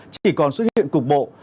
chỉ còn xuất hiện cục bộ